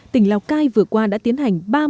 tỉnh lào cai vừa qua đã tiến hành